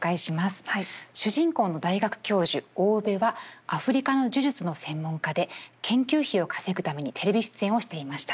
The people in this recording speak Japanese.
主人公の大学教授大生部はアフリカの呪術の専門家で研究費を稼ぐためにテレビ出演をしていました。